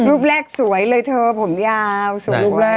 รูปแรกสวยเลยเธอผมยาวสูงเลย